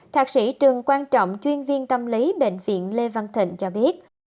thạc sĩ trường quan trọng chuyên viên tâm lý bệnh viện lê văn thịnh cho biết